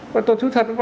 mà tôi thật thật